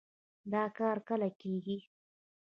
دا کار کله کېږي؟